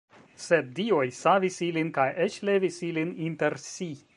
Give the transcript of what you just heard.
Sed dioj savis ilin kaj eĉ levis ilin inter si.